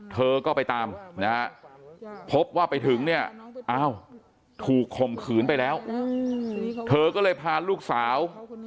เธอก็ไปตามนะฮะพบว่าไปถึงเนี่ยอ้าวถูกข่มขืนไปแล้วเธอก็เลยพาลูกสาว